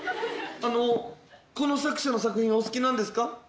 あのこの作者の作品お好きなんですか？